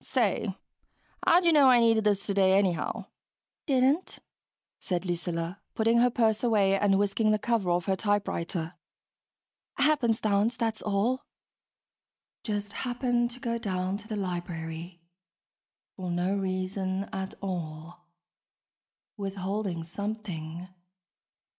"Say, how'd you know I needed this today, anyhow?" "Didn't," said Lucilla, putting her purse away and whisking the cover off her typewriter. "Happenstance, that's all." (Just happened to go down to the library ... for no reason at all ... withholding something